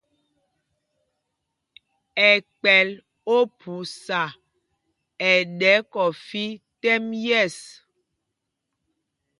Ɛ kpɛl Ophusa ɛɗɛ kɔfí tɛ́m yɛ̂ɛs.